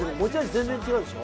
全然違うでしょ。